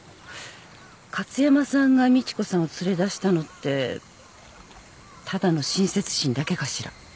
加津山さんが美知子さんを連れ出したのってただの親切心だけかしら？